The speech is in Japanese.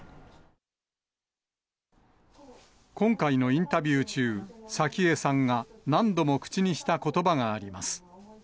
今回のインタビュー中、早紀江さんが何度も口にしたことばがあります。